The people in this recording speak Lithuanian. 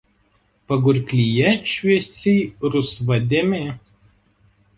Pagurklyje šviesiai rusva dėmė.